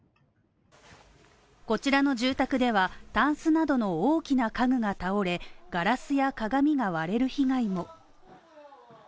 こちらの住宅では、たんすなどの大きな家具が倒れ、ガラスや鏡が割れる被害も。